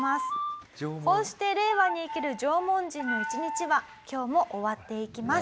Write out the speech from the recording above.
こうして令和に生きる縄文人の１日は今日も終わっていきます。